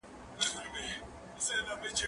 زه بايد منډه ووهم؟!